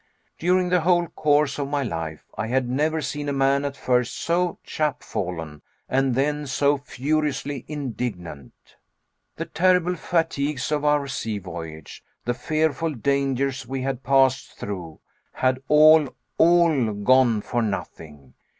During the whole course of my Life I had never seen a man at first so chapfallen; and then so furiously indignant. The terrible fatigues of our sea voyage, the fearful dangers we had passed through, had all, all, gone for nothing.